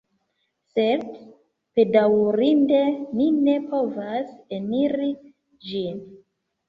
Sed, bedaŭrinde ni ne povas eniri ĝin.